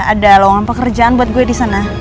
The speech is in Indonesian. ada lawangan pekerjaan buat gue disana